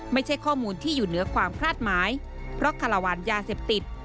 ไม่ใช่ข้อมูลที่อยู่เหนือความคาดหมายเพราะคาราวานยาเสพติด